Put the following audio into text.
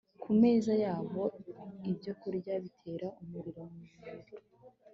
ku meza yabo ibyokurya bitera umuriro mu mubiri